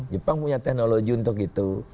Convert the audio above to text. jepang punya teknologi untuk itu